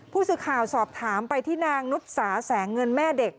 ผู้สื่อข่าวสอบถามไปที่นางนุษาแสงเงินแม่เด็ก